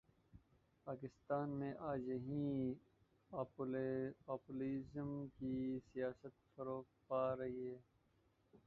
پاکستان میں آج یہی پاپولزم کی سیاست فروغ پا رہی ہے۔